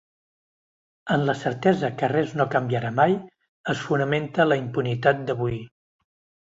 En la certesa que ‘res no canviarà mai’ es fonamenta la impunitat d’avui.